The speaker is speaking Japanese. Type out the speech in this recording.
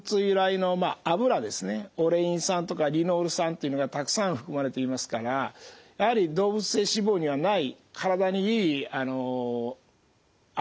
オレイン酸とかリノール酸っていうのがたくさん含まれていますからやはり動物性脂肪にはない体にいい油が多いわけです。